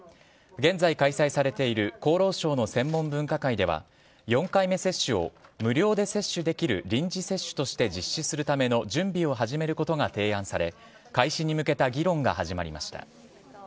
現在開催されている厚労省の専門分科会では４回目接種を無料で接種できる臨時接種として実施するための準備を始めることが提案され開始に向けた議論が始まりました。